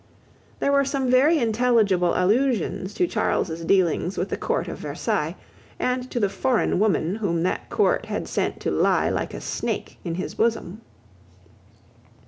There were some very intelligible allusions to Charles's dealings with the Court of Versailles, and to the foreign woman whom that Court had sent to lie like a snake in his bosom.